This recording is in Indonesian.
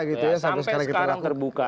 sampai sekarang terbuka